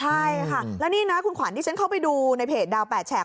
ใช่ค่ะแล้วนี่นะคุณขวัญที่ฉันเข้าไปดูในเพจดาว๘แฉก